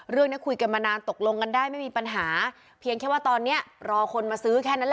เรื่องนี้คุยกันมานานตกลงกันได้ไม่มีปัญหาเพียงแค่ว่าตอนนี้รอคนมาซื้อแค่นั้นแหละ